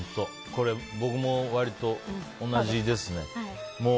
これ、僕も割と同じですね。